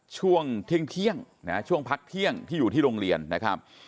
ช่วงเที่ยงนะฮะช่วงพักเที่ยงที่อยู่ที่โรงเรียนนะครับ